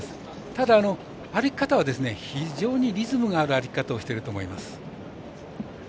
ただ、歩き方は非常にリズムがある歩き方をしてると思います。